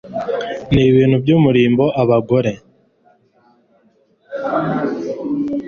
n ibintu by umurimbo abagore